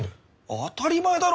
当たり前だろ！